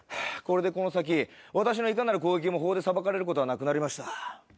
これでこの先私のいかなる攻撃も法で裁かれることはなくなりました。